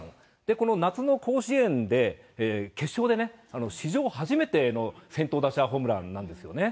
この夏の甲子園で、決勝でね、史上初めての先頭打者ホームランなんですよね。